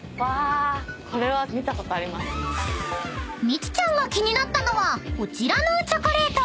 ［ミチちゃんが気になったのはこちらのチョコレート］